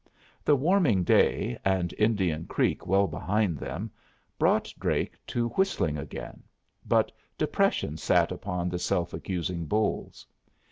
The warming day, and Indian Creek well behind them, brought Drake to whistling again, but depression sat upon the self accusing Bolles.